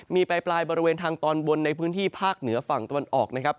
มีปลายบริเวณทางตอนบนในพื้นที่ภาคเหนือฝั่งตะวันออกนะครับ